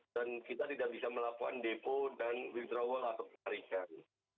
dan kita tidak bisa melakukan depo dan withdrawal atau penarikan